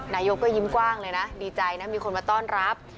นายกก็ยิ้มกว้างเลยนะดีใจนะมีคนมาต้อนรับ